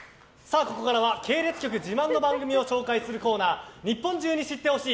ここからは系列局自慢の番組を紹介するコーナー日本中に知って欲しい！